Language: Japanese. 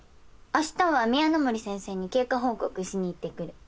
あしたは宮野森先生に経過報告しに行ってくる。